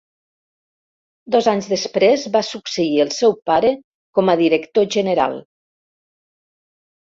Dos anys després va succeir el seu pare com a director general.